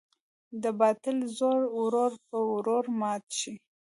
د باطل زور ورو په ورو مات شي.